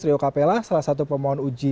rio capella salah satu pemohon uji